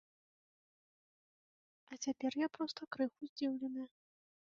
А цяпер я проста крыху здзіўлены.